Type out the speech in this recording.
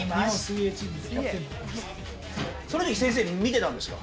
そのとき先生見てたんですか？